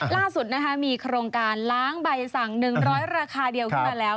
ล่าสุดมีโครงการล้างไบสั่งหนึ่งร้อยราคาเดียวขึ้นมาแล้ว